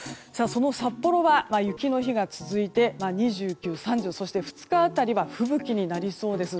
札幌は雪の日が続いて２９、３０そして２日辺りは吹雪になりそうです。